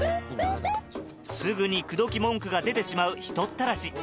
すぐに口説き文句が出てしまう人ったらし